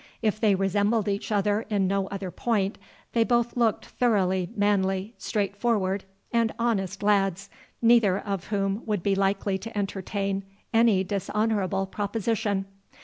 If they resembled each other in no other point, they both looked thoroughly manly, straightforward, and honest lads, neither of whom would be likely to entertain any dishonourable proposition.